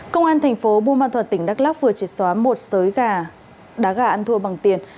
công an thành phố buôn ma thuật tỉnh đắk lóc vừa triệt xóa một sới gà đá gà ăn thua bằng tiền